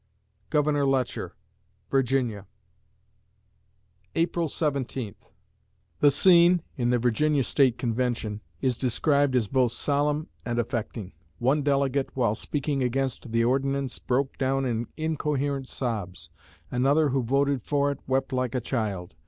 GOVERNOR LETCHER (Virginia) April Seventeenth The scene [in the Virginia State Convention] is described as both solemn and affecting. One delegate, while speaking against the ordinance, broke down in incoherent sobs; another, who voted for it, wept like a child.